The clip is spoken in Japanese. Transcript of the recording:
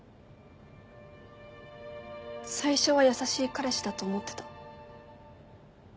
最初は優しい彼氏だと思ってた。